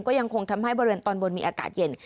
ก็ยังคงทำให้บริเวณตอนบนมีอากาศเย็น